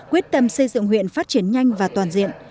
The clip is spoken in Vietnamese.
quyết tâm xây dựng huyện phát triển nhanh và toàn diện